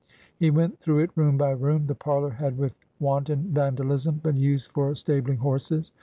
He went through it room by room. The parlor had with wanton vandalism been used for stabling horses.